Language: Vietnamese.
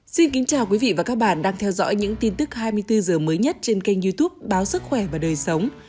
xin kính chào quý vị và các bạn đang theo dõi những tin tức hai mươi bốn h mới nhất trên kênh youtube báo sức khỏe và đời sống